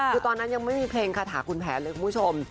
คือตอนนั้นยังไม่มีเพลงคาถาคุณแผนเลยคุณผู้ชม